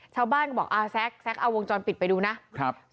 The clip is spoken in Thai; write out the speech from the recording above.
ชาวบ้านบอกแซ็กเอาวงจรปิดไปดูนะ